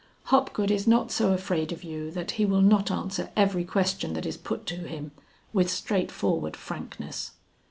"Hopgood is not so afraid of you that he will not answer every question that is put to him with straightforward frankness."